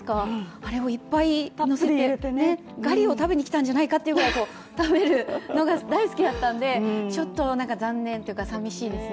あれをいっぱいのせて、ガリを食べに来たんじゃないかっていうぐらい食べるのが大好きだったんでちょっと残念というか、寂しいですね。